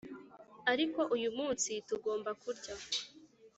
ariko uyu munsi tugomba kurya